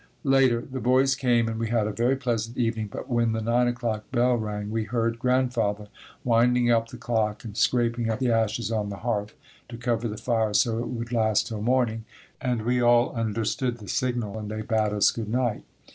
Later. The boys came and we had a very pleasant evening but when the 9 o'clock bell rang we heard Grandfather winding up the clock and scraping up the ashes on the hearth to cover the fire so it would last till morning and we all understood the signal and they bade us good night.